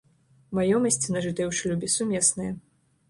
Маёмасць, нажытая ў шлюбе, сумесная.